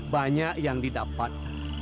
banyak yang didapat